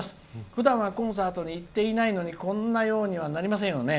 ふだんはコンサートに行っていないのにこんなようにはなりませんよね。